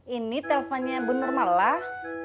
ini teleponnya bu nurmallah